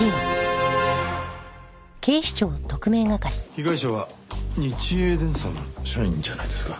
被害者は日栄電産の社員じゃないんですか？